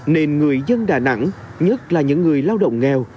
nên người dân đà nẵng nhất là những người lao động nghèo